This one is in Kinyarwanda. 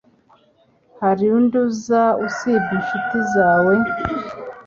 Hari undi uza usibye inshuti zawe?